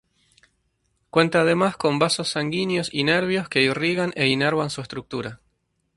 Cuenta además con vasos sanguíneos y nervios que irrigan e inervan su estructura.